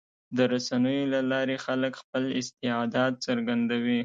د رسنیو له لارې خلک خپل استعداد څرګندوي.